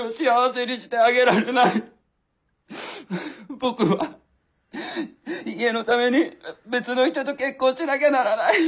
僕は家のために別の人と結婚しなきゃならない。